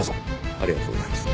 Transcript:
ありがとうございます。